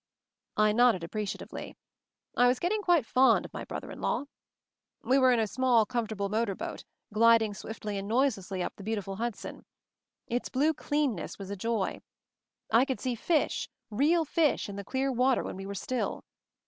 I nodded appreciatively. I was getting quite fond of my brother in law. We were in a small, comfortable motor boat, gliding swiftly and noiselessly up the beautiful Hudson. Its blue cleanness was a joy. I could see fish — real fish — in the clear water when we were still.